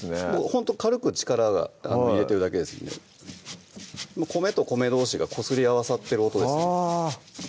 ほんと軽く力入れてるだけなので米と米どうしがこすり合わさってる音ですね